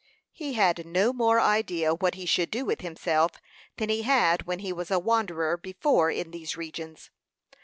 He had no more idea what he should do with himself, than he had when he was a wanderer before in these regions.